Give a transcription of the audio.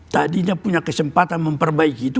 tadinya punya kesempatan memperbaiki itu